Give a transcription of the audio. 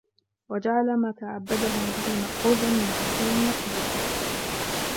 وَجَعَلَ مَا تَعَبَّدَهُمْ بِهِ مَأْخُوذًا مِنْ عَقْلٍ مَتْبُوعٍ